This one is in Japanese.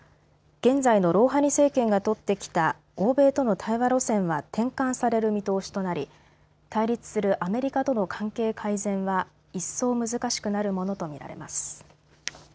現在のロウハニ政権がとってきた欧米との対話路線は転換される見通しとなり対立するアメリカとの関係改善は一層難しくなるものと見られます。